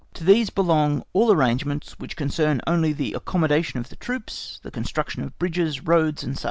To these belong all arrangements which concern only the accommodation of the troops, the construction of bridges, roads, &c.